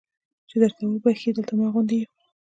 چې درته ویې بخښي دلته ما غوندې یو.